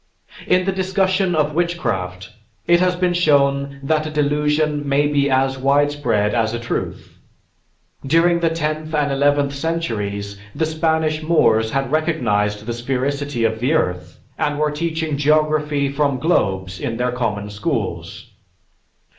In the discussion of witchcraft, it has been shown that a delusion may be as widespread as a truth. During the tenth and eleventh centuries, the Spanish Moors had recognized the sphericity of the earth and were teaching geography from globes in their common schools.